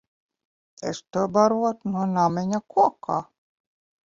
Es to barotu no namiņa kokā.